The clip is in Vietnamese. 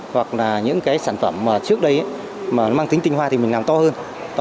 hoặc là những sản phẩm trước đây mà mang tính tinh hoa thì mình làm to hơn